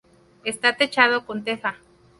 Está techado con teja.